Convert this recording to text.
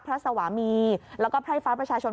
สวามีแล้วก็ไพร่ฟ้าประชาชน